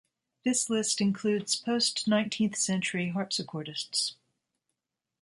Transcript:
This list includes post nineteenth-century harpsichordists.